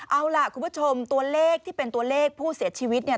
เอาล่ะคุณผู้ชมตัวเลขที่เป็นตัวเลขผู้เสียชีวิตเนี่ย